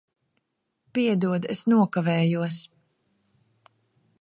Piedod, es nokavējos.